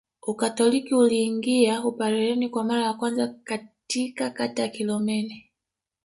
Ukatoliki uliingia Upareni kwa mara ya kwanza katika kata ya Kilomeni